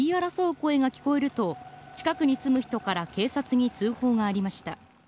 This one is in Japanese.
声が聞こえると近くに住む人から警察に通報がありました。